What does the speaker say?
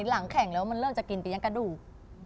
หลังแข็งแล้วมันเริ่มจะกินไปยังกระดูก